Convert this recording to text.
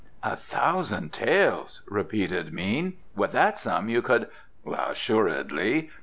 "A thousand taels!" repeated Mean. "With that sum you could " "Assuredly.